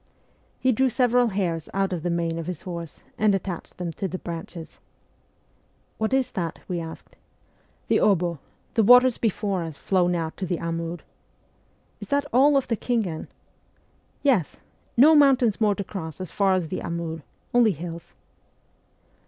He drew several hairs out of the mane of his horse, and attached them to the branches. ' What is that ?' we asked. ' The obo the waters before us flow now to the Amur.' ' Is that all pf the Khingan ?'' Yes ! No mountains more to cross as far as the Amur : only hills